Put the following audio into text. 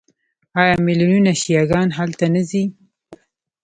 آیا میلیونونه شیعه ګان هلته نه ځي؟